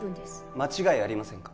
間違いありませんか？